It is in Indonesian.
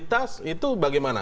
elektabilitas itu bagaimana